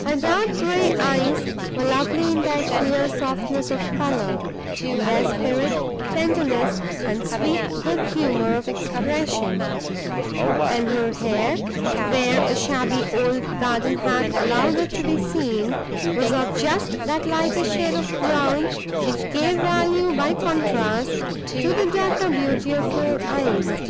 Her dark gray eyes were lovely in their clear softness of color, in their spirit, tenderness, and sweet good humor of expression; and her hair (where a shabby old garden hat allowed it to be seen) was of just that lighter shade of brown which gave value by contrast to the darker beauty of her eyes.